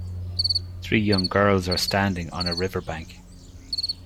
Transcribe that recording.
Three young girls are standing on a riverbank.